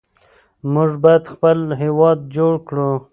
موږ باید خپل هېواد جوړ کړو.